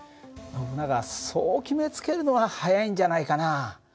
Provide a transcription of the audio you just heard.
ノブナガそう決めつけるのは早いんじゃないかな。